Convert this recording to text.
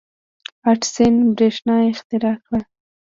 • اډیسن برېښنا اختراع کړه.